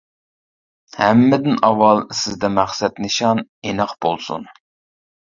ھەممىدىن ئاۋۋال سىزدە مەقسەت-نىشان ئېنىق بولسۇن.